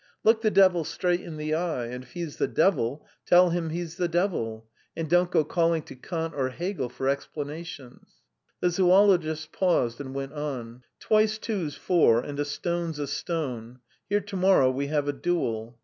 Look the devil straight in the eye, and if he's the devil, tell him he's the devil, and don't go calling to Kant or Hegel for explanations." The zoologist paused and went on: "Twice two's four, and a stone's a stone. Here to morrow we have a duel.